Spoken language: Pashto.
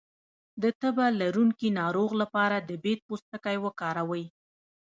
د تبه لرونکي ناروغ لپاره د بید پوستکی وکاروئ